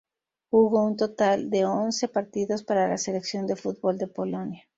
Jugó un total de once partidos para la selección de fútbol de Polonia.